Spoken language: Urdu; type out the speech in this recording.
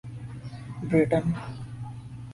بریٹن